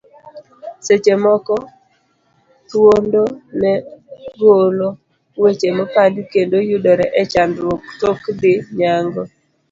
Seche moko, thuondo ne golo weche mopandi, kendo yudore e chandruok tok dhi nyango.